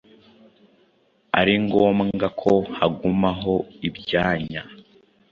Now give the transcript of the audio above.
ari ngombwa ko hagumaho ibyanya